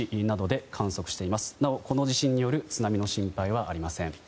なお、この地震による津波の心配はありません。